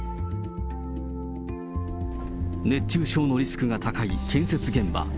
熱中症のリスクが高い建設現場。